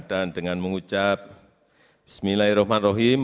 dan dengan mengucap bismillahirrahmanirrahim